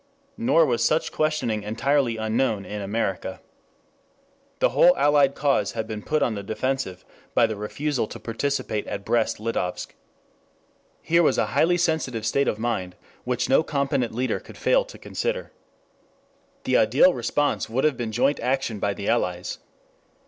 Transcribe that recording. Nor was such questioning entirely unknown in America. The whole Allied cause had been put on the defensive by the refusal to participate at Brest Litovsk. Here was a highly sensitive state of mind which no competent leader could fail to consider. The ideal response would have been joint action by the Allies.